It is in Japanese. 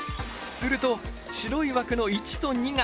すると白い枠の１と２が！